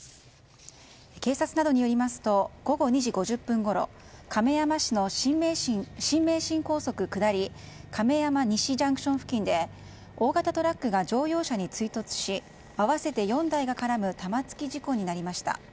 警察などによりますと午後２時５０分ごろ亀山市の新名神高速下り亀山西ＪＣＴ付近で大型トラックが乗用車に追突し合わせて４台が絡む玉突き事故になりました。